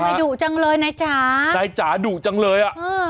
ดุจังเลยนายจ๋านายจ๋าดุจังเลยอ่ะเออ